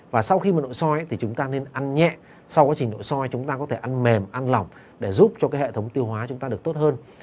và sau khi mà nội soi thì chúng ta nên ăn nhẹ sau quá trình nội soi chúng ta có thể ăn mềm ăn lỏng để giúp cho cái hệ thống tiêu hóa chúng ta được tốt hơn